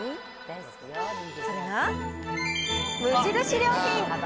それが、無印良品。